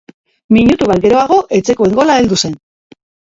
Minutu bat geroago etxekoen gola heldu zen.